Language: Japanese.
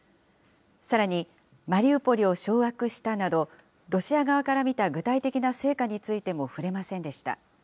さらに、マリウポリを掌握したなどロシア側から見た具体的な成果についても触れませんでした。